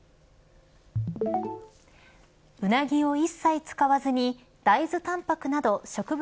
ウナギを一切使わずに大豆たんぱくなど植物